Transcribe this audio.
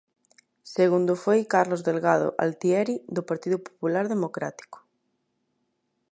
Segundo foi Carlos Delgado Altieri, do Partido Popular Democrático.